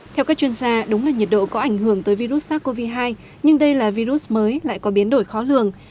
theo các chuyên gia đúng là nhiệt độ có ảnh hưởng tới virus sars cov hai nhưng đây là virus mới lại có biến đổi khó lường